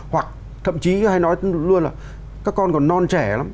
hoặc thậm chí hay nói luôn là các con còn non trẻ lắm